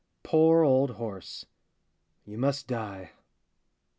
Poor old horse! you must die!